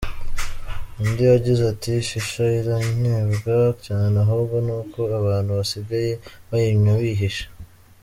Undi yagize ati “Shisha iranywebwa cyane ahubwo n’uko abantu basigaye bayinywa bihishe.